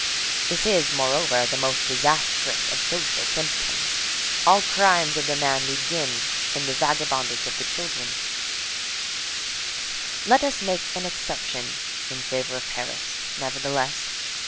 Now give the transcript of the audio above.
This is, moreover, the most disastrous of social symptoms. All crimes of the man begin in the vagabondage of the child. Let us make an exception in favor of Paris, nevertheless.